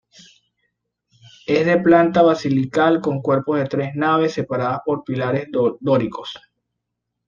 Es de planta basilical con cuerpo de tres naves separadas por pilares dóricos.